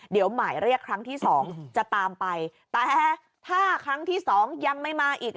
เดี๋ยวหมายเรียกครั้งที่สองจะตามไปแต่ถ้าครั้งที่สองยังไม่มาอีก